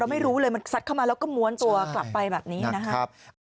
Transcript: ไม่รู้เลยมันซัดเข้ามาแล้วก็ม้วนตัวกลับไปแบบนี้นะครับ